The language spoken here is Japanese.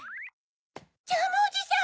ジャムおじさん！